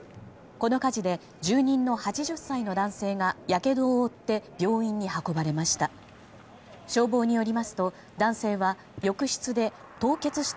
この火事で住人の８０歳の男性がやけどを負って病院に運ばれました。